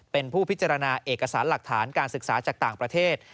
เป็นผู้พิจารณาเอกสารหลักฐานการศึกษาจากต่างประเทศ